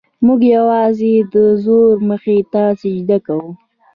موږ یوازې د زور مخې ته سجده کوو.